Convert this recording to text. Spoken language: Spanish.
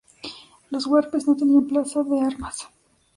Los huarpes no tenían plaza de armas.